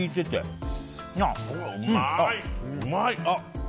うまい！